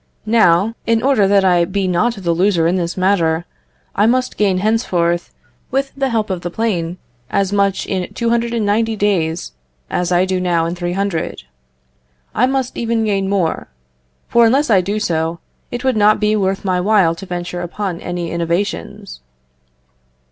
Now, in order that I be not the loser in this matter, I must gain henceforth, with the help of the plane, as much in 290 days, as I now do in 300. I must even gain more; for unless I do so, it would not be worth my while to venture upon any innovations."